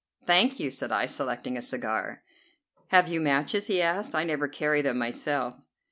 "Thank you," said I, selecting a cigar. "Have you matches?" he asked, "I never carry them myself."